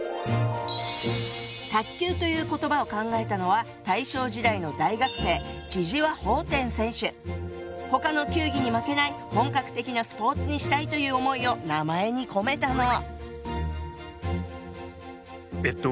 「卓球」という言葉を考えたのは大正時代の大学生他の球技に負けない本格的なスポーツにしたいという思いを名前に込めたの。